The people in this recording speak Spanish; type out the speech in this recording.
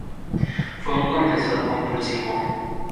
Fue un confesor compulsivo.